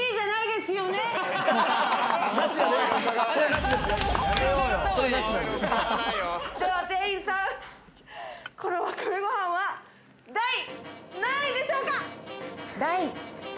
では店員さん、この、わかめごはんは第何位でしょうか？